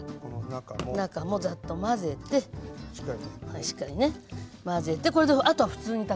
中もざっと混ぜてしっかりね混ぜてこれであとは普通に炊くの。